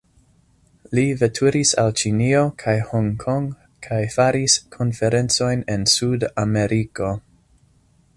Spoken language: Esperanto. Li veturis al Ĉinio kaj Hong Kong kaj faris konferencojn en Sud-Ameriko.